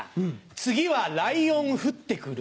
次はライオン降って来る？